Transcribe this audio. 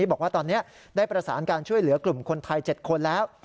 บอกว่าตอนนี้ได้ประสานการช่วยเหลือกลุ่มคนไทย๗คนแล้ว